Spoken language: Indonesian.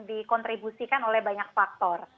dikontribusikan oleh banyak faktor